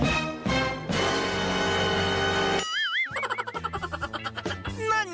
วิธีแบบไหนไปดูกันเล็ก